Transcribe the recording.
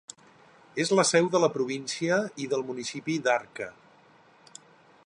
És la seu de la província i del municipi d'Arque.